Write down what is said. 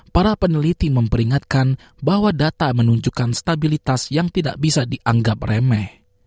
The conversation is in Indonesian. para peneliti memperingatkan bahwa data menunjukkan stabilitas yang tidak bisa dianggap remeh